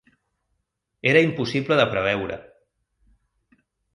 Era impossible de preveure